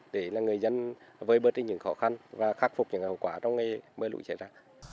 để người dân vơi bớt những khó khăn và khắc phục những hậu quả trong ngày mới lũ chảy ra